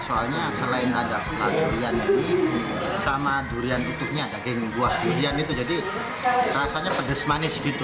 karena selain ada durian ini sama durian utuhnya daging buah durian itu jadi rasanya pedes manis gitu